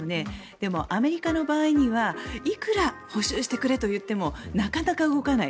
でも、アメリカの場合にはいくら補修してくれと言ってもなかなか動かない。